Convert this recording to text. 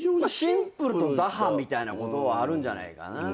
シンプルと打破みたいなことはあるんじゃないかなぁ。